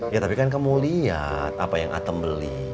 ya tapi kan kamu lihat apa yang atem beli